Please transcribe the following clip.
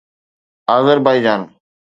Azerbaijan